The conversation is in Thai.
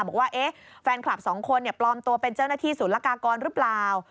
บอกว่าแฟนคลับสองคนปลอมตัวเป็นเจ้าหน้าที่ศูนย์ละกากรหรือเปล่า